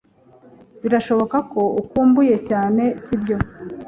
Birashoboka ko ukumbuye cyane, sibyo?